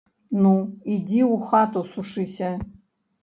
Ну, ідзі ў хату сушыся.